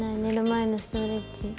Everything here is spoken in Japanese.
前のストレッチ。